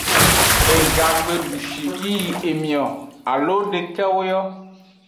Ega gbe dushi yi yi emio, alo dekewo yo.